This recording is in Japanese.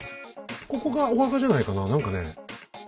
ここがお墓じゃないかな何かね。